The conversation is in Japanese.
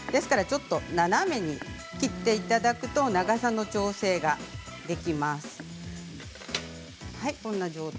このように切っていただくと長さの調整ができます。